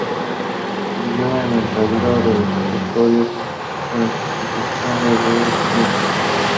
Sirvió en el tablero de los custodios de la institución de Brookings.